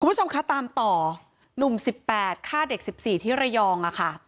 คุณผู้ชมคะตามต่อหนุ่ม๑๘ฆ่าเด็ก๑๔ที่ระยองค่ะ